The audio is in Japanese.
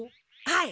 はい。